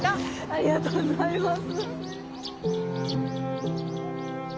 ありがとうございます。